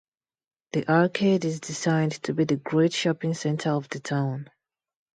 The Arcade is designed to be the great shopping centre of the town.